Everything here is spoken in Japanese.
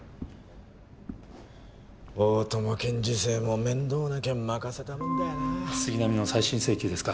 大友検事正も面倒な件任せたもんだよな・杉並の再審請求ですか？